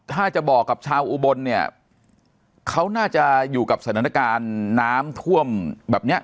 ถ้าจะบอกกับชาวอุบลเนี่ยเขาน่าจะอยู่กับสถานการณ์น้ำท่วมแบบเนี้ย